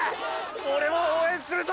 オレも応援するぞ！！